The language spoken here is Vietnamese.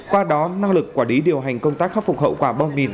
qua đó năng lực quả đí điều hành công tác khắc phục hậu quả bom mìn